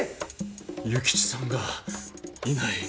諭吉さんがいない。